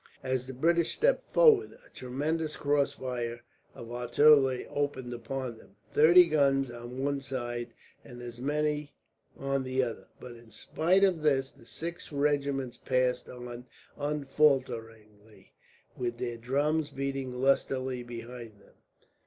As the British stepped forward, a tremendous crossfire of artillery opened upon them, thirty guns on one side and as many on the other; but in spite of this the six regiments pressed on unfalteringly, with their drums beating lustily behind them.